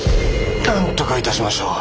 なんとかいたしましょう。